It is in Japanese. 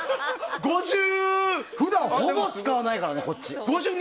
普段、ほぼ使わないからねこっち。